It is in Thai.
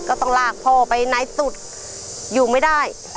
ก็ต้องลากพ่อไปไหนสุดอยู่ไม่ได้